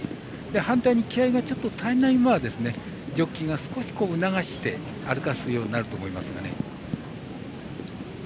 反対に、気合いが足りない馬はジョッキーが少し促して歩かせるようになると思います。